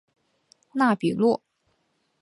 纳比诺。